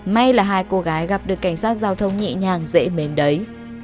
may là hai cô gái gặp được cảnh sát giao thông nhẹ nhàng dễ mến đấy